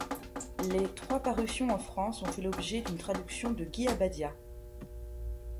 Les trois parutions en France ont fait l'objet d'une traduction de Guy Abadia.